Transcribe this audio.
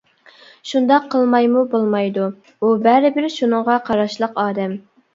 شۇنداق قىلمايمۇ بولمايدۇ، ئۇ بەرىبىر شۇنىڭغا قاراشلىق ئادەم.